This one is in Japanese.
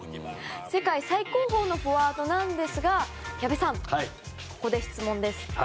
世界最高峰のフォワードなんですが矢部さん、ここで質問です。